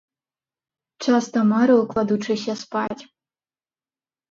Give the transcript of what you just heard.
Часта марыў, кладучыся спаць.